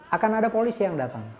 akan ada polisi yang datang